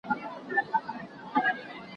که وخت وي، سیر کوم؟!